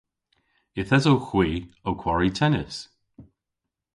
Yth esowgh hwi ow kwari tennis.